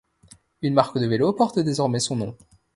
Une marque de vélo porte désormais son nom.